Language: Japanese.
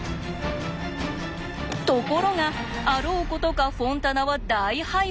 ところがあろうことかフォンタナは大敗北。